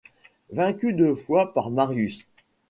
Vaincu deux fois par Marius.